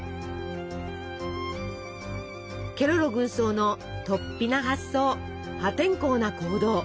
ケロロ軍曹のとっぴな発想破天荒な行動